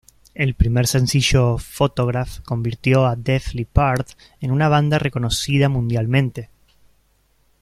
El primer sencillo "Photograph" convirtió a Def Leppard en una banda reconocida mundialmente.